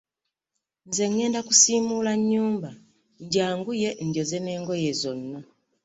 Nze ngenda kusiimuula nnyumba njanguye njoze n'engoye zonna.